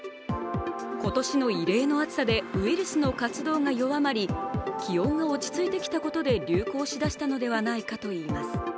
今年の異例の暑さでウイルスの活動が弱まり気温が落ち着いてきたことで流行しだしたのではないかといいます。